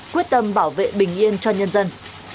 quyết tâm bảo vệ bình yên cho nhân dân